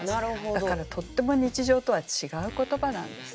だからとっても日常とは違う言葉なんですね。